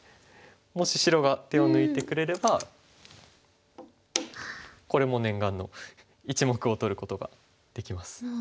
もし白が手を抜いてくれればこれも念願の１目を取ることができます。